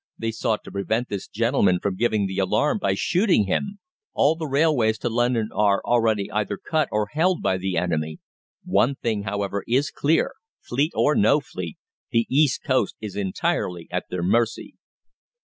"They sought to prevent this gentleman from giving the alarm by shooting him. All the railways to London are already either cut or held by the enemy. One thing, however, is clear fleet or no fleet, the east coast is entirely at their mercy."